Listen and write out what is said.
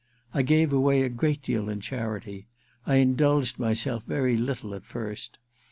I gave away a great deal in charity — I indulged myself very little at first.